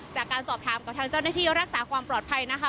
จากการสอบถามกับทางเจ้าหน้าที่รักษาความปลอดภัยนะคะ